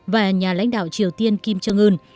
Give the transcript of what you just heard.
và nhà lãnh đạo triều tiên kim trương ưn